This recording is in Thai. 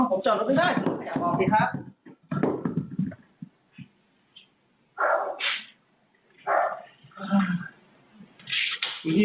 โอ้โหทำไมพี่